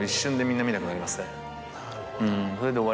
なるほど。